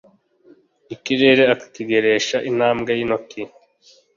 ikirere akakigeresha intambwe y’intoki,